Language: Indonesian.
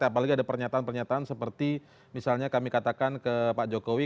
apalagi ada pernyataan pernyataan seperti misalnya kami katakan ke pak jokowi